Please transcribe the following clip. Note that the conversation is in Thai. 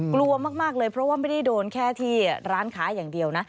กลัวมากเลยเพราะว่าไม่ได้โดนแค่ที่ร้านค้าอย่างเดียวนะ